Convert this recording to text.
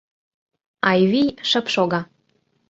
Айвий шып шога.